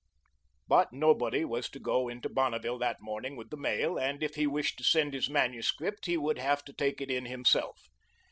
But nobody was to go into Bonneville that morning with the mail, and if he wished to send his manuscript, he would have to take it in himself.